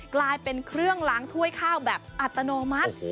กลายเป็นเครื่องล้างถ้วยข้าวแบบอัตโนมัติ